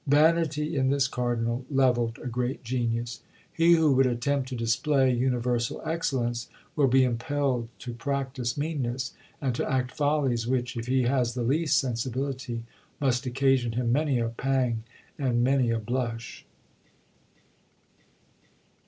Vanity in this cardinal levelled a great genius. He who would attempt to display universal excellence will be impelled to practise meanness, and to act follies which, if he has the least sensibility, must occasion him many a pang and many a blush.